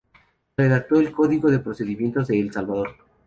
Redactó el Código de Procedimientos de El Salvador.